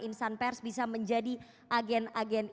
insan pers bisa menjadi agen agen